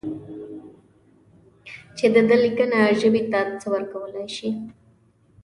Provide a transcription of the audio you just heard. چې د ده لیکنه ژبې ته څه ورکولای شي.